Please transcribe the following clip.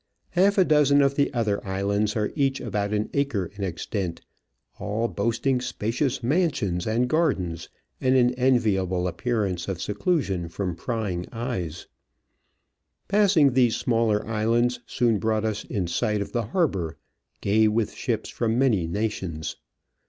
Half a dozen of c Digitized by VjOOQIC i8 Travels and Adventures quainted the other islands are each about an acre in extent, all boasting spacious mansions and gardens and an envi able appearance of se clusion from prying eyes. Passing these smaller islands soon Q brought us in sight S of the harbour, gay ^ with ships from many < nations.